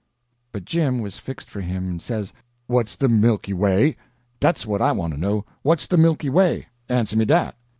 But Jim was fixed for him and says: "What's de Milky Way?—dat's what I want to know. What's de Milky Way? Answer me dat!"